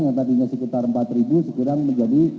yang tadinya sekitar empat ribu sekarang menjadi